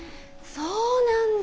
そうなんだ。